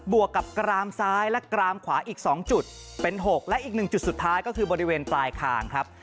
วกกับกรามซ้ายและกรามขวาอีก๒จุดเป็น๖และอีก๑จุดสุดท้ายก็คือบริเวณปลายคางครับ